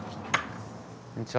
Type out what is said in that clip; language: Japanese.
こんにちは。